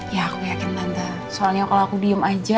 ya aku yakin tante soalnya kalau aku diem aja